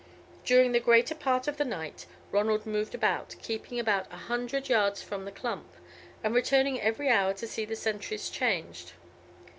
During the greater part of the night, Ronald moved about, keeping about a hundred yards from the clump, and returning every hour to see the sentries changed.